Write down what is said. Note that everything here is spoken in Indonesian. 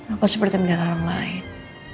aku seperti menjaga orang lain